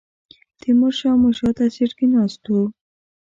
تیمور شاه مو شاته سیټ کې ناست و.